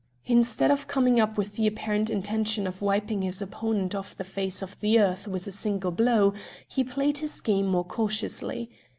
Instead of coming up with the apparent intention of wiping his opponent off the face of the earth with a single blow, he played his game more cautiously.